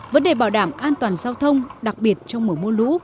vấn đề bảo đảm an toàn giao thông đặc biệt trong mùa mưa lũ